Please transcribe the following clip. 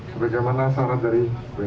sebagai mana syarat dari